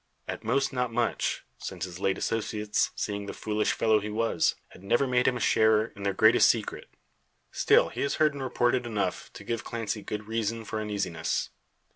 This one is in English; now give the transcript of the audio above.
At most not much; since his late associates, seeing the foolish fellow he was, had never made him sharer in their greatest secret. Still he had heard and reported enough to give Clancy good reason for uneasiness.